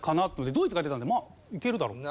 ドイツが出たんでまあいけるだろうと。